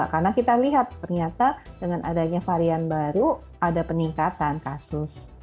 karena kita lihat ternyata dengan adanya varian baru ada peningkatan kasus